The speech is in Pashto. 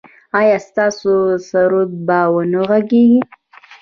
ایا ستاسو سرود به و نه غږیږي؟